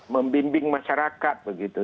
membimbing masyarakat begitu